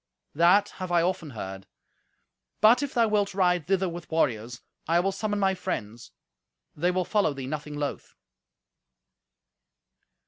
That have I often heard. But if thou wilt ride thither with warriors, I will summon my friends. They will follow thee nothing loth."